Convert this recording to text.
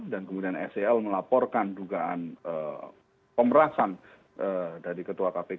dan kemudian sel melaporkan dugaan pemerasan dari ketua kpk